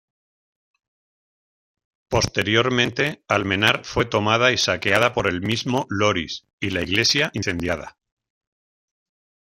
Posteriormente, Almenar fue tomada y saqueada por el mismo Loris, y la iglesia, incendiada.